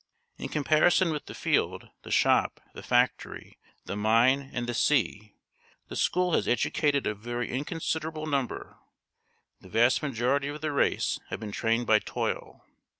In comparison with the field, the shop, the factory, the mine, and the sea, the school has educated a very inconsiderable number; the vast majority of the race have been trained by toil.